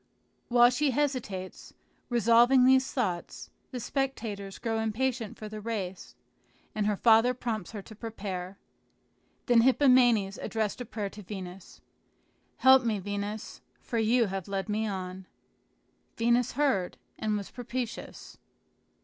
While she hesitates, revolving these thoughts, the spectators grow impatient for the race, and her father prompts her to prepare. Then Hippomenes addressed a prayer to Venus: "Help me, Venus, for you have led me on." Venus heard and was propitious.